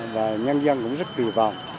và nhân dân cũng rất kỳ vọng